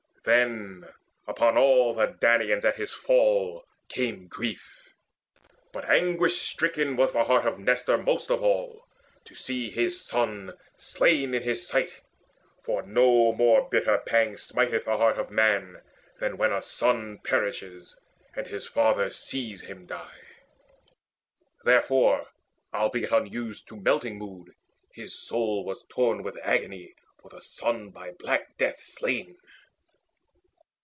Then upon all the Danaans at his fall Came grief; but anguish stricken was the heart Of Nestor most of all, to see his child Slain in his sight; for no more bitter pang Smiteth the heart of man than when a son Perishes, and his father sees him die. Therefore, albeit unused to melting mood, His soul was torn with agony for the son By black death slain.